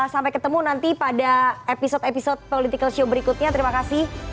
sampai ketemu nanti pada episode episode political show berikutnya terima kasih